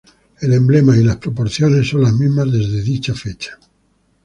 El emblema y las proporciones son las mismas desde dicha fecha.